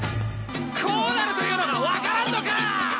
こうなるというのが分からんのか！